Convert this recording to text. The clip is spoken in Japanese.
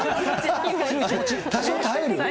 多少耐える？